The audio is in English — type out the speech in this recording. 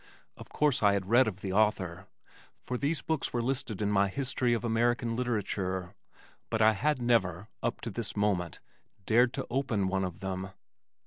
Of course I had read of the author, for these books were listed in my History of American Literature, but I had never, up to this moment, dared to open one of them.